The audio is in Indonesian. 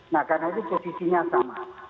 nah karena itu posisinya sama